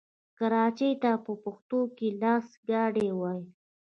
کراچۍ ته په پښتو کې لاسګاډی وايي.